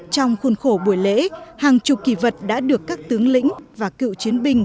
trong khuôn khổ buổi lễ hàng chục kỳ vật đã được các tướng lĩnh và cựu chiến binh